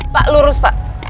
pak lurus pak